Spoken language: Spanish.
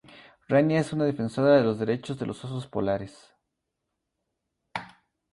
Rania es una defensora de los derechos de los osos polares.